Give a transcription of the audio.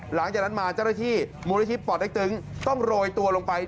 หลังจากนั้นมาเจ้าหน้าที่มูลนิธิป่อเต็กตึงต้องโรยตัวลงไป